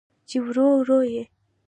چې ورو، ورو یې